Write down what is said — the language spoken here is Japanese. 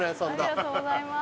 ありがとうございます。